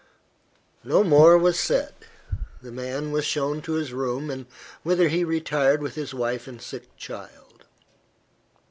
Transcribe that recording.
No more was said. The man was shown to his room, whither he retired with his wife and sick child.